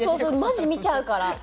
マジ見ちゃうから。